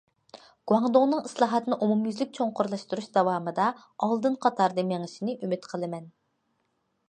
گۇاڭدۇڭنىڭ ئىسلاھاتنى ئومۇميۈزلۈك چوڭقۇرلاشتۇرۇش داۋامىدا ئالدىن قاتاردا مېڭىشىنى ئۈمىد قىلىمەن.